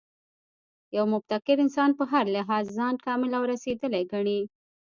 یو متکبر انسان په هر لحاظ ځان کامل او رسېدلی ګڼي